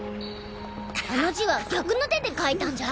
あの字は逆の手で書いたんじゃ？